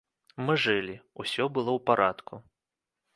Мы жылі, усё было ў парадку.